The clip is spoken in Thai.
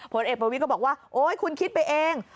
ผลเอกประวิทย์ก็บอกว่าโอ๊ยคุณคิดไปเอง